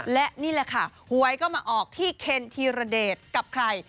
และนี่แหละค่ะหวยก็มาออกที่เคนธีรเดชกับใคร